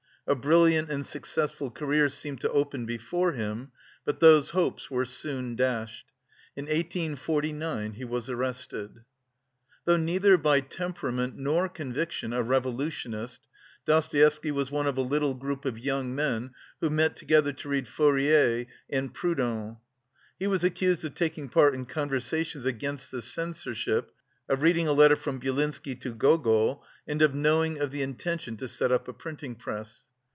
A brilliant and successful career seemed to open before him, but those hopes were soon dashed. In 1849 he was arrested. Though neither by temperament nor conviction a revolutionist, Dostoevsky was one of a little group of young men who met together to read Fourier and Proudhon. He was accused of "taking part in conversations against the censorship, of reading a letter from Byelinsky to Gogol, and of knowing of the intention to set up a printing press."